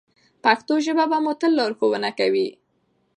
پښتو ژبه به مو تل لارښوونه کوي.